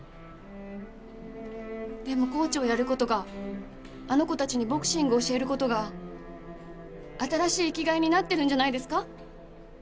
でもコーチをやる事があの子たちにボクシング教える事が新しい生きがいになってるんじゃないですか？